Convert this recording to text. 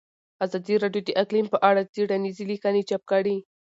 ازادي راډیو د اقلیم په اړه څېړنیزې لیکنې چاپ کړي.